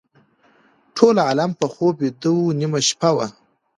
ټول عالم په خوب ویده و نیمه شپه وه.